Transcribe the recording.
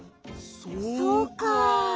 そうか。